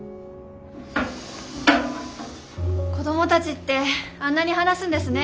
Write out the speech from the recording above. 子供たちってあんなに話すんですね。